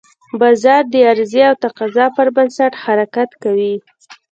بازار د عرضې او تقاضا پر بنسټ حرکت کوي.